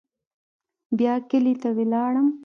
بيا کلي ته ولاړم.